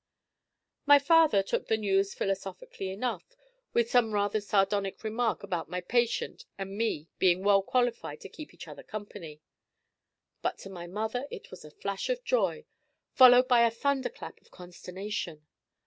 My father took the news philosophically enough, with some rather sardonic remark about my patient and me being well qualified to keep each other company. But to my mother it was a flash of joy, followed by a thunderclap of consternation.